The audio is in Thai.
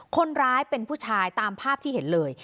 คนร้ายเป็นผู้ชายตามภาพที่เห็นเลย